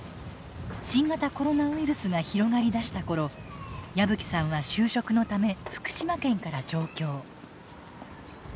新型コロナウイルスが広がりだした頃矢吹さんは就職のため福島県から上京。